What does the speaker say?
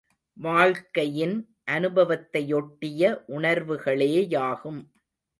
வாழ்க்கையின் அனுபவத்தையொட்டிய உணர்வுகளேயாகும்.